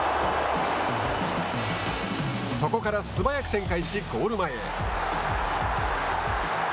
そこから素早く展開しゴール前へ。